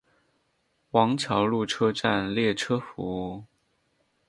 王桥路车站列车服务。